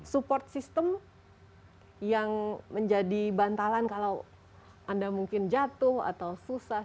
support system yang menjadi bantalan kalau anda mungkin jatuh atau susah